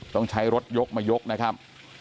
ต้องใช้รถยกมายกนะครับ